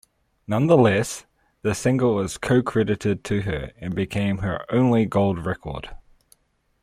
Nonetheless, the single is co-credited to her and became her only gold record.